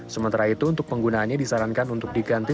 sementara itu untuk penggunaannya disarankan untuk diganti